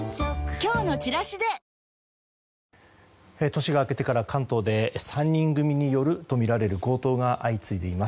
年が明けてから関東で３人組によるとみられる強盗が相次いでいます。